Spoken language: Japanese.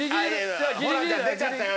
ホランちゃん出ちゃったよ